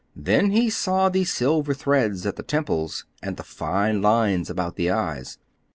Then he saw the silver threads at the temples, and the fine lines about the eyes.